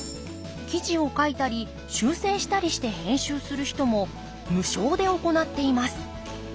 記事を書いたり修正したりして編集する人も無償で行っています。